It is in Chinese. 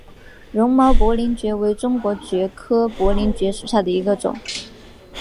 绒毛薄鳞蕨为中国蕨科薄鳞蕨属下的一个种。